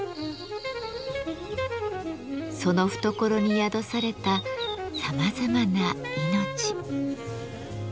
その懐に宿されたさまざまな命。